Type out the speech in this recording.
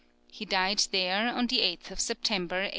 He died there on the 8th of September, 1811.